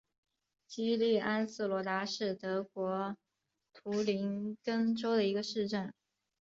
基利安斯罗达是德国图林根州的一个市镇。